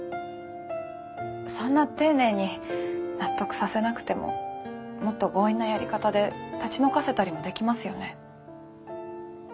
そんな丁寧に納得させなくてももっと強引なやり方で立ち退かせたりもできますよね？